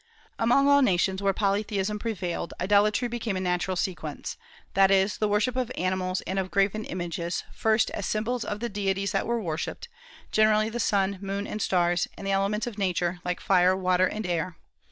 Among all nations where polytheism prevailed, idolatry became a natural sequence, that is, the worship of animals and of graven images, at first as symbols of the deities that were worshipped, generally the sun, moon, and stars, and the elements of Nature, like fire, water, and air.